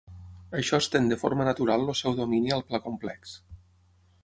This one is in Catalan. Això estén de forma natural el seu domini al pla complex.